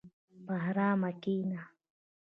په ارام کښېنه.